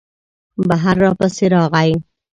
بهر را پسې راغی.